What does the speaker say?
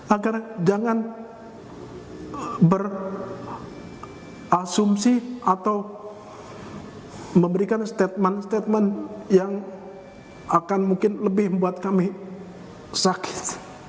agar jangan berasumsi atau memberikan statement statement yang akan mungkin lebih membuat kami sakit